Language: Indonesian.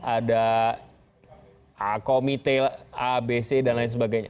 ada komite abc dan lain sebagainya